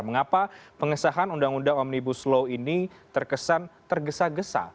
mengapa pengesahan undang undang omnibus law ini terkesan tergesa gesa